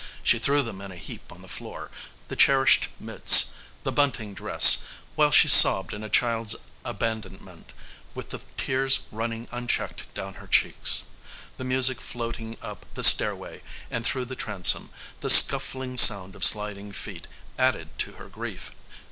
She threw them in a heap on the floor the cherished mitts, the bunting dress while she sobbed in a child's abandonment, with the tears running unchecked down her cheeks. The music floating up the stairway and through the transom, the scuffling sound of sliding feet, added to her grief.